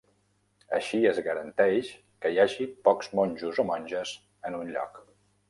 Així es garanteix que hi hagi pocs monjos o monges en un lloc.